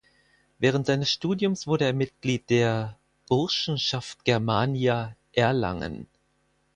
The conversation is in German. Während seines Studiums wurde er Mitglied der "Burschenschaft Germania Erlangen".